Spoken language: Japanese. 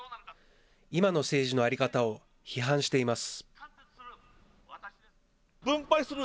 今の政治の在り方を批判しています。